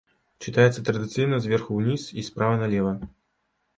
Чытаецца традыцыйна зверху уніз і справа налева.